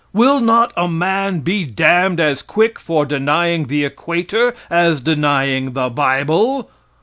Will not a man be damned as quick for denying the equator as denying the bible?